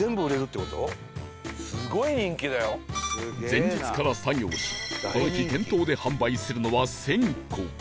前日から作業しこの日店頭で販売するのは１０００個